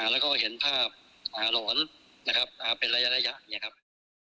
แล้วก็เห็นภาพหลอนนะครับเป็นระยะอย่างนี้ครับ